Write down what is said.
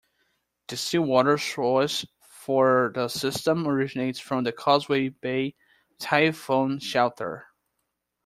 The seawater source for the system originates from the Causeway Bay Typhoon Shelter.